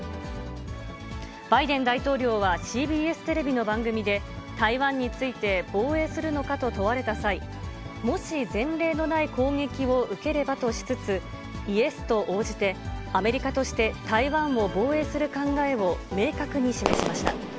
バイデン大統領はＣＢＳテレビの番組で、台湾について防衛するのかと問われた際、もし前例のない攻撃を受ければとしつつ、イエスと応じて、アメリカとして台湾を防衛する考えを明確に示しました。